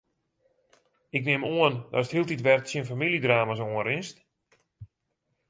Ik nim oan datst hieltyd wer tsjin famyljedrama's oanrinst?